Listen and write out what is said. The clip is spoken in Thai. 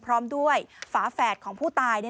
พร้อมด้วยฝาแฝดของผู้ตาย